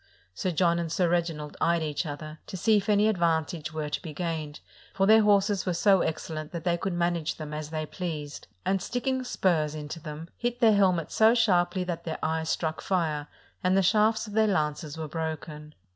Sir John and Sir Reginald eyed each other, to see if any ad vantage were to be gained, for their horses were so excel lent that they could manage them as they pleased, and sticking spurs into them, hit their helmets so sharply that their eyes struck fire and the shafts of their lances were broken.